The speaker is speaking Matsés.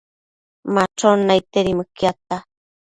Machon naidtedi mëquiadta